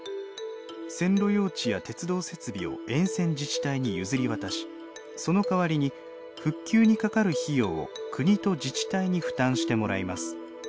線路用地や鉄道設備を沿線自治体に譲り渡しそのかわりに復旧にかかる費用を国と自治体に負担してもらいます。